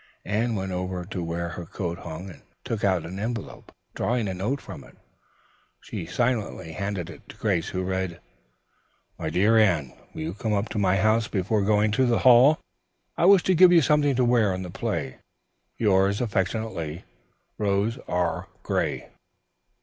Anne went over to where her coat hung and took out an envelope. Drawing a note from it, she silently handed it to Grace, who read: "MY DEAR ANNE: "Will you come up to my house before going to the hall? I wish to give you something to wear in the play. "Yours affectionately, "ROSE R. GRAY."